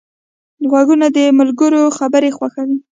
غوږونه د ملګرو خبرې خوښوي